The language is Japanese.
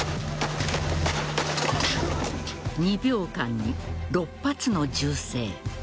２秒間に６発の銃声。